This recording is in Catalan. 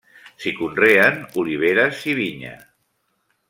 S'hi conreen oliveres i vinya.